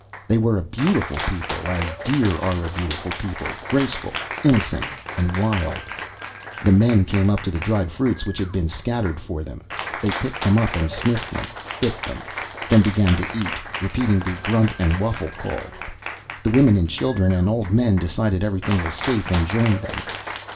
They were a beautiful people, as deer are a beautiful people, graceful, innocent, and wild. The men came to the dried fruits which had been scattered for them. They picked them up and sniffed them, bit them, then began to eat, repeating the grunt and whuffle call. The women and children and old men decided everything was safe and joined them.